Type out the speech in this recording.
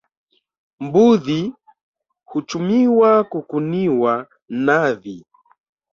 Mbudhi huchumiwa kukuniwa nadhi